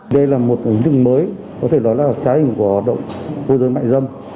đây là một ứng dụng mới có thể nói là trái hình của hoạt động mua dâm mại dâm